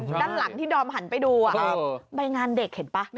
ด้านหลังที่ดอมหันไปดูใบงานเด็กเห็นป่ะ